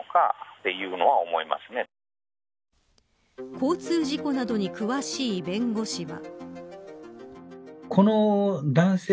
交通事故などに詳しい弁護士は。